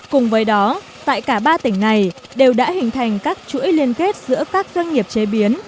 cùng với đó tại cả ba tỉnh này đều đã hình thành các chuỗi liên kết giữa các doanh nghiệp chế biến